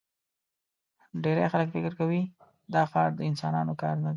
ډېری خلک فکر کوي دا ښار د انسانانو کار نه دی.